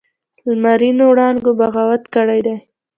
لمرینو وړانګو بغاوت کړی دی